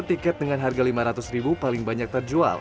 tiket dengan harga rp lima ratus ribu paling banyak terjual